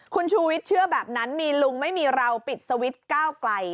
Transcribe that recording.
คุณชูวิทย์เชื่อแบบนั้นมีลุงไม่มีเราปิดสวิตช์ก้าวไกล